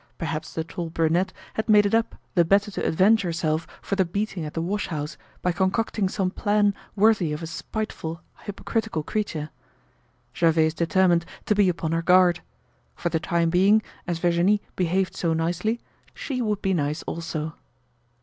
Perhaps the tall brunette had made it up the better to avenge herself for the beating at the wash house by concocting some plan worthy of a spiteful hypocritical creature. Gervaise determined to be upon her guard. For the time being, as Virginie behaved so nicely, she would be nice also.